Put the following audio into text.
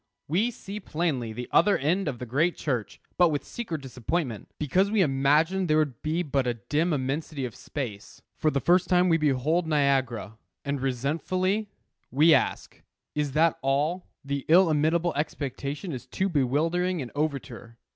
we see plainly the other end of the great church, but with secret disappointment, because we imagined there would be but a dim immensity of space. For the first time we behold Niagara, and resentfully we ask, "Is that all?" The illimitable expectation is too bewildering an overture.